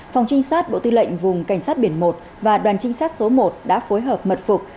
phòng trinh sát bộ tư lệnh vùng cảnh sát biển một và đoàn trinh sát số một đã phối hợp mật phục